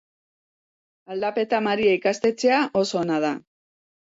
Aldapeta Maria Ikastetxea oso ona da.